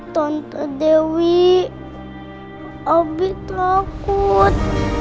tante dewi abi takut